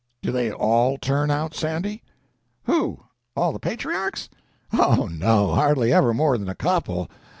"Do they an turn out, Sandy?" "Who?—all the patriarchs? Oh, no—hardly ever more than a couple.